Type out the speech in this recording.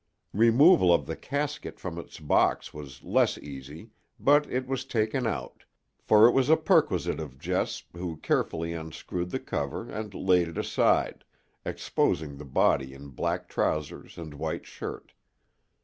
Removal of the casket from its box was less easy, but it was taken out, for it was a perquisite of Jess, who carefully unscrewed the cover and laid it aside, exposing the body in black trousers and white shirt.